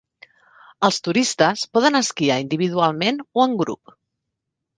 Els turistes poden esquiar individualment o en grup.